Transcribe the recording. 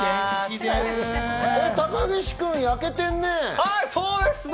高岸君、焼けてるね。